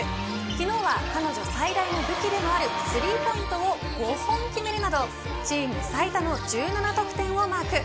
昨日は彼女最大の武器でもあるスリーポイントを５本決めるなどチーム最多の１７得点をマーク。